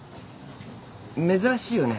珍しいよね